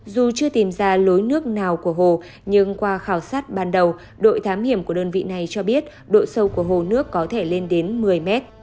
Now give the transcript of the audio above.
dù chưa tìm ra lối nước nào của hồ nhưng qua khảo sát ban đầu đội thám hiểm của đơn vị này cho biết độ sâu của hồ nước có thể lên đến một mươi m